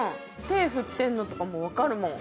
手振ってるのとかもわかるもん。